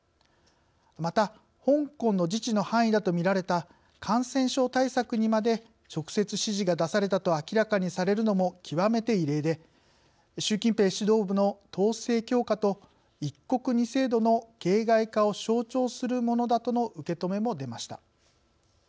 また、香港の自治の範囲だと見られた感染症対策にまで直接指示が出されたと明らかにされるのも極めて異例で習近平指導部の統制強化と「一国二制度」の形骸化を象徴するものだとの受け止めも出ました。